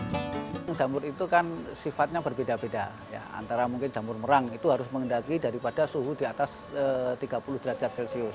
nomor jamur itu kan sifatnya berbeda beda antara jamur merang itu mengendalikan suhu di atas tiga puluh derajat celcius